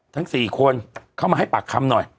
ทั้ง๔คนเข้ามาให้ปากคำหน่อย